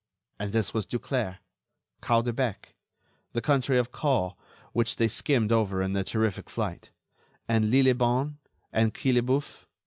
And this was Duclair, Caudebec, the country of Caux which they skimmed over in their terrific flight, and Lillebonne, and Quillebeuf.